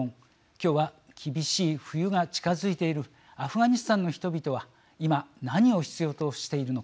今日は厳しい冬が近づいているアフガニスタンの人々は今何を必要としているのか。